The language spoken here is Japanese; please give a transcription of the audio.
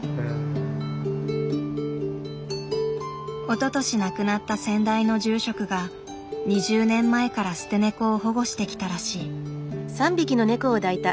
おととし亡くなった先代の住職が２０年前から捨てネコを保護してきたらしい。